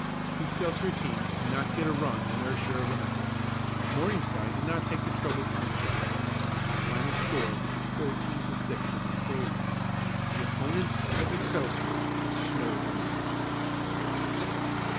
The Excelsior team could not get a run in their share of the ninth, and Morningside did not take the trouble to finish out, the final score being fourteen to six in their favor. The opponents of Excelsior had snowed them under.